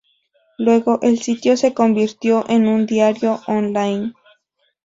Luego, el sitio se convirtió en un diario online.